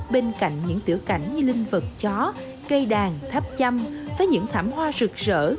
bên cạnh những tiểu cảnh như linh vật chó cây đàn tháp chăm với những thảm hoa rực rỡ